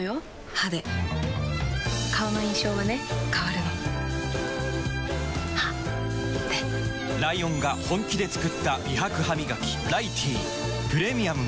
歯で顔の印象はね変わるの歯でライオンが本気で作った美白ハミガキ「ライティー」プレミアムも